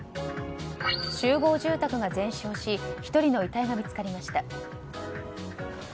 集合住宅が全焼し１人の遺体が見つかりました。